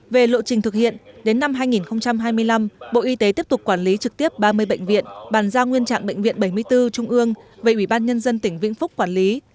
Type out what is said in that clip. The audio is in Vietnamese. về lộ trình thực hiện đến năm hai nghìn hai mươi năm bộ y tế tiếp tục quản lý trực tiếp ba mươi bệnh viện bàn giao nguyên trạng bệnh viện bảy mươi bốn trung ương về ủy ban nhân dân tỉnh vĩnh phúc quản lý